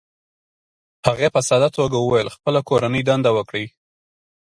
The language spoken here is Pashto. هغې په ساده توګه وویل: "خپله کورنۍ دنده وکړئ،